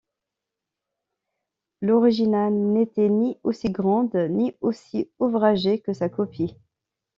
L'originale n'était ni aussi grande ni aussi ouvragée que sa copie.